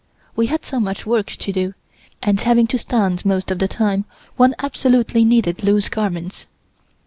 We had so much work to do, and having to stand most of the time one absolutely needed loose garments.